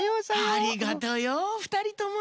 ありがとよふたりとも。